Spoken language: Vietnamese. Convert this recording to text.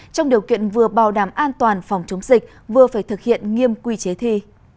trong điều kiện vừa bảo đảm an toàn phòng chống dịch vừa phải thực hiện nghiêm quy chế thi